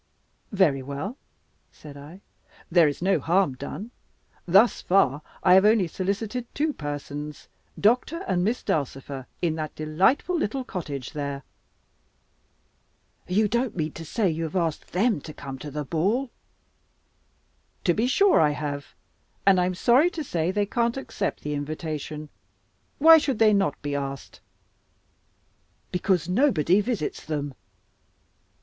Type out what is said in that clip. "Very well," said I, "there is no harm done. Thus far, I have only solicited two persons, Doctor and Miss Dulcifer, in that delightful little cottage there." "You don't mean to say you have asked them to come to the ball!" "To be sure I have. And I am sorry to say they can't accept the invitation. Why should they not be asked?" "Because nobody visits them."